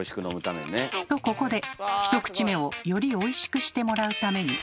とここで１口目をよりおいしくしてもらうために。